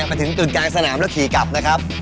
ไปถึงกึ่งกลางสนามแล้วขี่กลับนะครับ